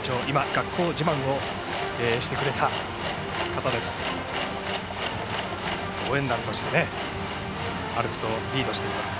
学校自慢をしてくれた方ですが応援団としてアルプスをリードしています。